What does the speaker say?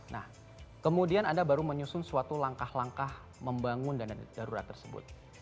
nah kemudian anda baru menyusun suatu langkah langkah membangun dana darurat tersebut